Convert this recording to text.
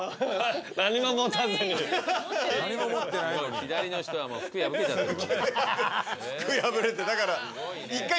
左の人はもう服破けちゃってる。